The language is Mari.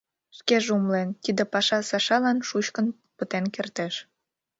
Шкеже умылен, тиде паша Сашалан шучкын пытен кертеш.